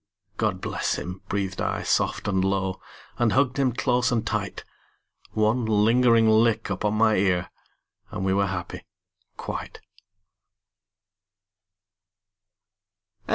"God bless him," breathed I soft and low, And hugged him close and tight. One lingering lick upon my ear And we were happy quite.